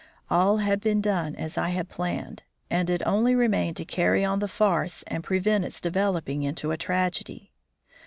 All had been done as I had planned, and it only remained to carry on the farce and prevent its developing into a tragedy.